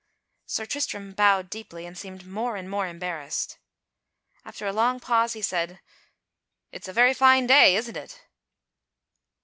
Sir Tristram bowed deeply, and seemed more and more embarrassed. After a long pause he said: "It's a very fine day, isn't it?"